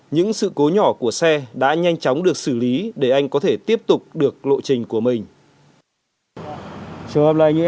những sự cố nhỏ của xe đã nhanh chóng được xử lý để anh có thể tiếp tục được lộ trình của mình